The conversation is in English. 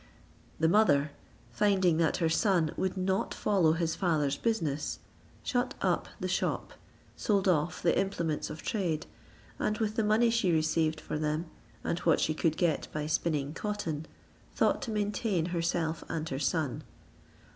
The mother, finding that her son would not follow his father's business, shut up the shop, sold off the implements of trade, and with the money she received for them, and what she could get by spinning cotton, thought to maintain herself and her son.